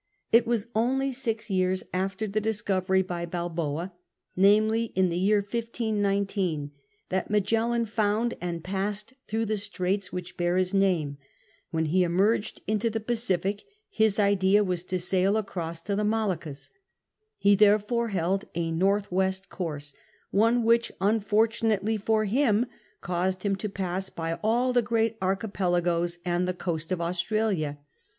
It was only six years after the discovery by Balboa, n&mdly in the year 1519, that Magellan found and passed through the stiaits which bear his name ; wiien he emerged into the Pacific his idea was to sail across to the Moluccas; he therefore held a N.W. course, one which, unfortunately for him, caused him to pass by all the great archipelagoes and the coast of Australia.